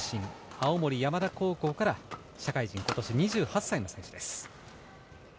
青森山田高校から社会人、今年２８歳の選手です。